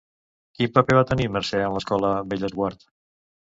Quin paper va tenir Mercè en l'Escola Bellesguard?